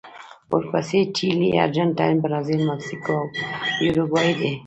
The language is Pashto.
ورپسې چیلي، ارجنټاین، برازیل، مکسیکو او یوروګوای دي.